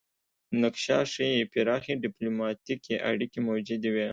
نقشه ښيي پراخې ډیپلوماتیکې اړیکې موجودې وې